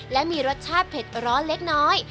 และมีรสชาติเผ็ดร้อนเล็กน้อย